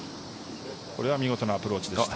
これは見事なアプローチでした。